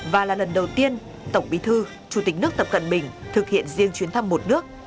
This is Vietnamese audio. và là lần đầu tiên tổng bí thư chủ tịch nước tập cận bình thực hiện riêng chuyến thăm một nước